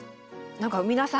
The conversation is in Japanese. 何か皆さん